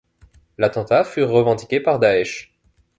L'attentat fut revendiqué par Daech.